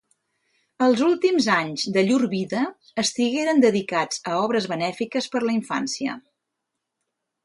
Els últims anys de llur vida estigueren dedicats a obres benèfiques per la infància.